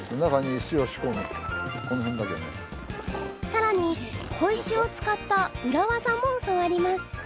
さらに小石を使ったウラ技も教わります。